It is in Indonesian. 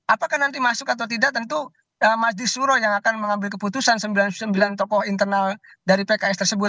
apakah nanti masuk atau tidak tentu majlis suro yang akan mengambil keputusan sembilan puluh sembilan tokoh internal dari pks tersebut